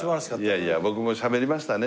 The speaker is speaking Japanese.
いやいや僕もしゃべりましたね